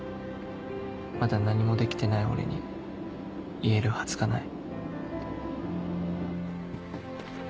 まだ何もできてない俺に言えるはずがない